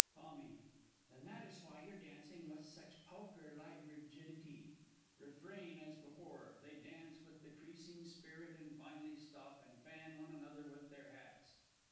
Tommy. Then that is why you're dancing with such pokerlike rigidity. [_Refrain as before; they dance with decreasing spirit, and finally stop, and fan one another with their hats.